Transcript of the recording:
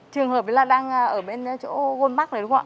trường hợp ấy đang ở bên chỗ goldmark này đúng không ạ